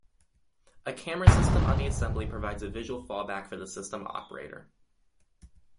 A camera system on the assembly provides a visual fallback for the system operator.